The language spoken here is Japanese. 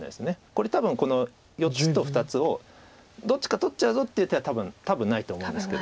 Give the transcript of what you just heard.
これ多分この４つと２つをどっちか取っちゃうぞっていう手は多分ないと思うんですけども。